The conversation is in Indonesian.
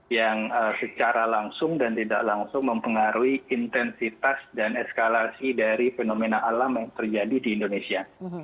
yang secara langsung dan tidak langsung mempengaruhi intensitas dan eskalasi dari fenomena alam yang terjadi di indonesia